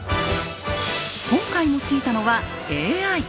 今回用いたのはＡＩ。